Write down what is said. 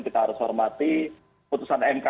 kita harus hormati putusan mk